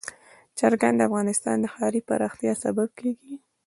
چرګان د افغانستان د ښاري پراختیا سبب کېږي.